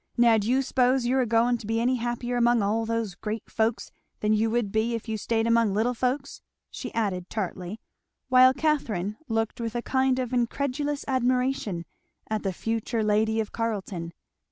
Now do you s'pose you're agoing to be any happier among all those great folks than you would be if you staid among little folks?" she added tartly; while Catherine looked with a kind of incredulous admiration at the future lady of Carleton.